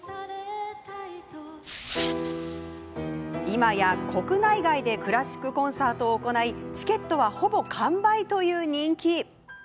今や国内外でクラシックコンサートを行いチケットは、ほぼ完売の人気。